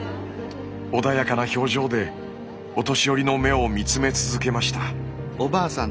穏やかな表情でお年寄りの目を見つめ続けました。